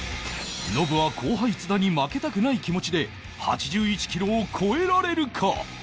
ノブは後輩津田に負けたくない気持ちで８１キロを超えられるか？